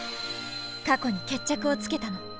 過去に決着をつけたの。